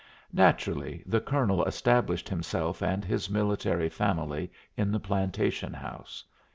Naturally, the colonel established himself and his military family in the plantation house.